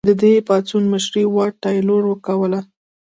د دې پاڅون مشري واټ تایلور کوله.